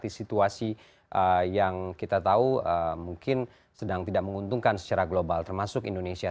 di situasi yang kita tahu mungkin sedang tidak menguntungkan secara global termasuk indonesia